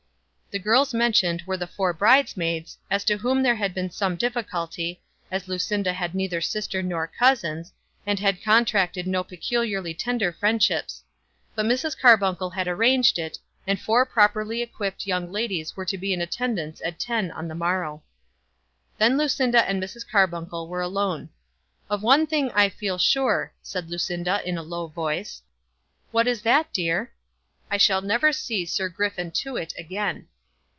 The girls mentioned were the four bridesmaids, as to whom there had been some difficulty, as Lucinda had neither sister nor cousins, and had contracted no peculiarly tender friendships. But Mrs. Carbuncle had arranged it, and four properly equipped young ladies were to be in attendance at ten on the morrow. Then Lucinda and Mrs. Carbuncle were alone. "Of one thing I feel sure," said Lucinda in a low voice. "What is that, dear?" "I shall never see Sir Griffin Tewett again."